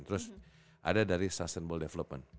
terus ada dari sustanball development